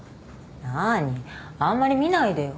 あんまり見ないでよ。